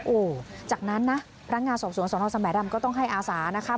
โอ้จากนั้นนะพระงาสอบสวงศ์สมรรย์ดำก็ต้องให้อาศานะค่ะ